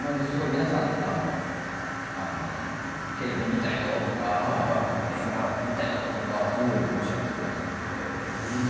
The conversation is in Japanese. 皆さんテレビ見たよとか映画見たよとかおっしゃってくださって。